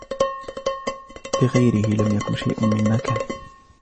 بغيره لم يكن شيء مما كان.